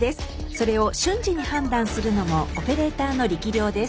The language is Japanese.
それを瞬時に判断するのもオペレーターの力量です。